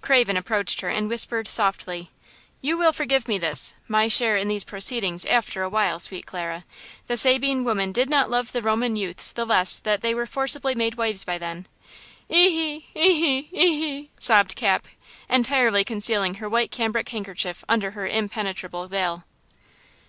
Craven approached her and whispered, softly: "You will forgive me this, my share in these proceedings after awhile, sweet Clara! The Sabine women did not love the Roman youths the less that they were forcibly made wives by them." "Ee–hee! Ee–hee! Ee–hee!" sobbed Cap, entirely concealing her white cambric handkerchief under her impenetrable veil.